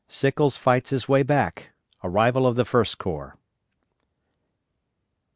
SICKLES FIGHTS HIS WAY BACK. ARRIVAL OF THE FIRST CORPS.